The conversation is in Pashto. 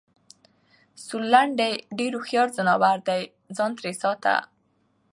سورلنډی ډېر هوښیار ځناور دی٬ ځان ترې ساته!